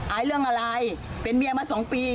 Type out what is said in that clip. เรื่องอะไรเป็นเมียมา๒ปี